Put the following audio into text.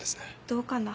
どうかな。